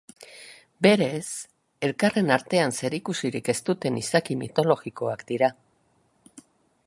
Berez, elkarren artean zerikusirik ez duten izaki mitologikoak dira.